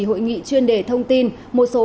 hội nghị chuyên đề thông tin một số